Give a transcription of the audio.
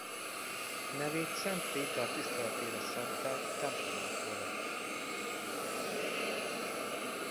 Nevét Szent Péter tiszteletére szentelt templomától vette.